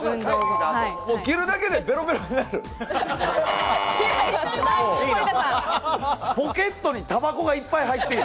着るだけでベロベロになる。